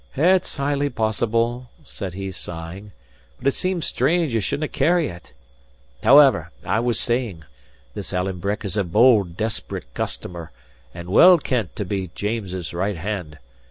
"It's highly possible," said he, sighing. "But it seems strange ye shouldnae carry it. However, as I was saying, this Alan Breck is a bold, desperate customer, and well kent to be James's right hand.